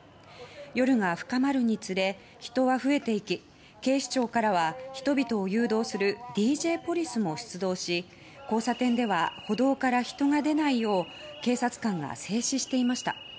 夜が深まるにつれ人は増えていき警視庁からは人々を誘導するＤＪポリスも出動し交差点では歩道から人が出ないよう警察官が制止していました。